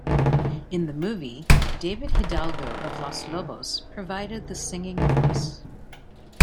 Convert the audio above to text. In the movie David Hidalgo of Los Lobos provided the singing voice.